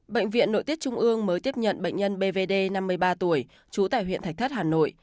bệnh viện nội tiết trung ương mới tiếp nhận bệnh nhân bvd năm mươi ba tuổi trú tại huyện thạch thất hà nội